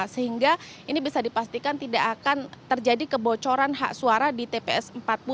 sehingga ini bisa dipastikan tidak akan terjadi kebocoran hak suara di tps empat puluh